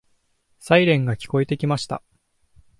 サイレンが聞こえてきた。